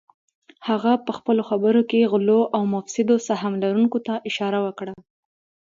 هغه پهخپلو خبرو کې غلو او مفسدو سهم لرونکو ته اشاره وکړه